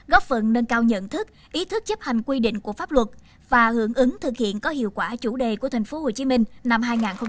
góp phận nâng cao nhận thức ý thức chấp hành quy định của pháp luật và hưởng ứng thực hiện có hiệu quả chủ đề của thành phố hồ chí minh năm hai nghìn hai mươi